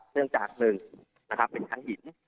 เนื่องจากหนึ่งนะครับเป็นทั้งหิน